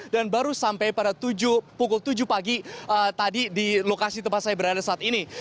dan baru sampai pada pukul tujuh pagi tadi di lokasi tempat saya berada saat ini